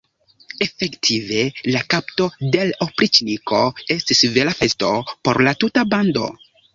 Efektive, la kapto de l' opriĉniko estis vera festo por la tuta bando.